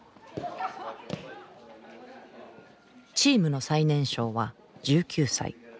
チームの最年少は１９歳。